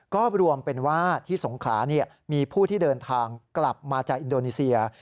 ก็รวมเป็นว่าที่สงขลามีผู้ที่เดินทางกลับมาจากอินโดนีเซีย